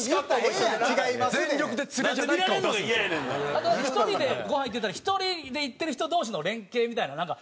あと１人でごはん行ってたら１人で行ってる人同士の連携みたいななんか。